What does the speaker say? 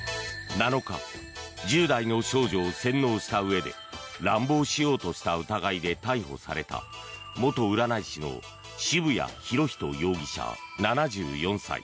７日１０代の少女を洗脳したうえで乱暴しようとした疑いで逮捕された元占い師の渋谷博仁容疑者７４歳。